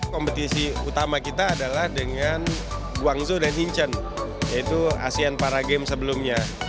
kompetisi utama kita adalah dengan guangzhou dan hinchen yaitu asean para games sebelumnya